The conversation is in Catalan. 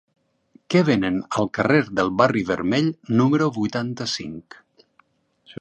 Què venen al carrer del Barri Vermell número vuitanta-cinc?